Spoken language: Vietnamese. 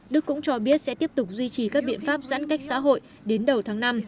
đức cũng cho biết sẽ tiếp tục duy trì các biện pháp giãn cách xã hội đến đầu tháng năm